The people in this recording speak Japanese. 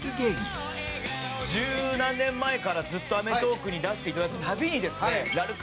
十何年前からずっと『アメトーーク』に出していただくたびにですね